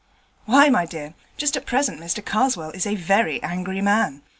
'Why, my dear, just at present Mr Karswell is a very angry man.